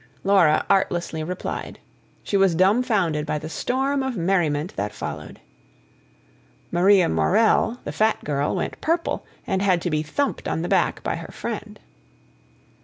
Laura artlessly replied. She was dumbfounded by the storm of merriment that followed. Maria Morell, the fat girl, went purple, and had to be thumped on the back by her friend.